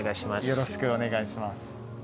よろしくお願いします